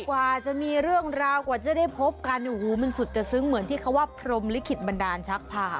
กว่าจะมีเรื่องราวกว่าจะได้พบกันโอ้โหมันสุดจะซึ้งเหมือนที่เขาว่าพรมลิขิตบันดาลชักผ่า